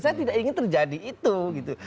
saya tidak ingin terjadi itu gitu